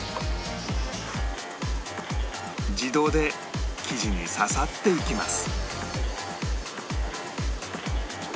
自動で生地に刺さっていきます